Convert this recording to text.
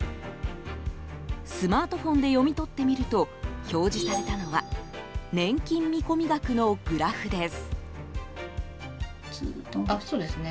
スマートフォンで読み取ってみると表示されたのは年金見込み額のグラフです。